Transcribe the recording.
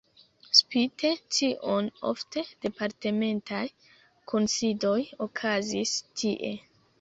Spite tion ofte departementaj kunsidoj okazis tie.